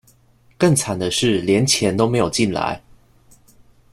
更慘的是連錢都沒有進來